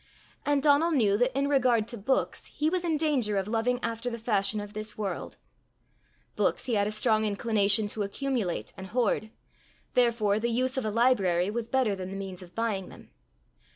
And Donal knew that in regard to books he was in danger of loving after the fashion of this world: books he had a strong inclination to accumulate and hoard; therefore the use of a library was better than the means of buying them.